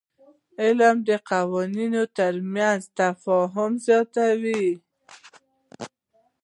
علم د قومونو ترمنځ تفاهم زیاتوي